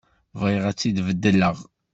Bɣiɣ ad tt-id-beddleɣ.